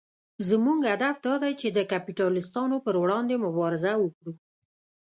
زموږ هدف دا دی چې د کپیټلېستانو پر وړاندې مبارزه وکړو.